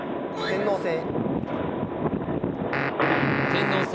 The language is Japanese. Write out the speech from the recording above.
天王星。